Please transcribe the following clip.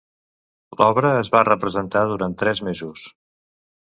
L'obra es va representar durant tres mesos.